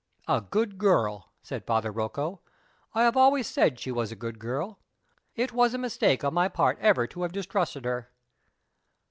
"A good girl!" said Father Rocco. "I always said she was a good girl. It was a mistake on my part ever to have distrusted her."